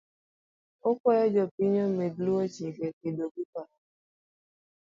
Okuayo jopiny omed luo chike kedo gi korona.